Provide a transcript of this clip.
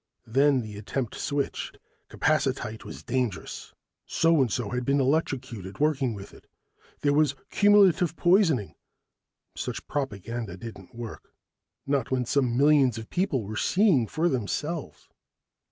Then the attempt switched: capacitite was dangerous. So and so had been electrocuted working with it. There was cumulative poisoning... Such propaganda didn't work, not when some millions of people were seeing for themselves.